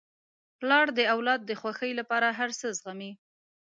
پلار د اولاد د خوښۍ لپاره هر څه زغمي.